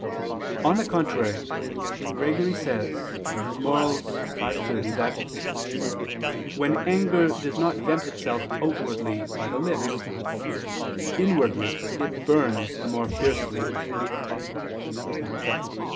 On the contrary, Gregory says (Moral. v, 30) that "when anger does not vent itself outwardly by the lips, inwardly it burns the more fiercely."